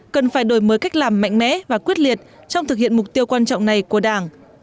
cần phải đổi mới cách làm mạnh mẽ và quyết liệt trong thực hiện mục tiêu quan trọng này của đảng